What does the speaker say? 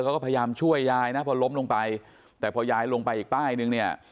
เขาก็พยายามช่วยยายนะพอล้มลงไปแต่พอยายลงไปอีกป้ายนึงเนี่ย